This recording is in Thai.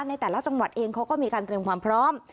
ในแต่ละจังหวัดเองเขาก็มีการเตรียมความพร้อม